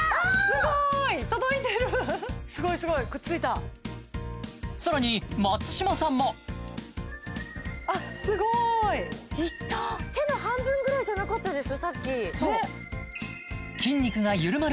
すごーい届いてるすごいすごいくっついたさらに松嶋さんもあっすごーいいった手の半分ぐらいじゃなかったです？